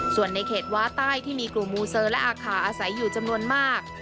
ส่วนในเขตว้าใต้ที่มีกลุ่มมูเซอร์และอาคาอาศัยอยู่จำนวนมาก